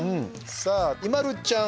さあ、ＩＭＡＬＵちゃん